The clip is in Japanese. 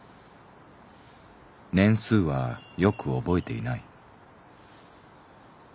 年数はよく覚えていない。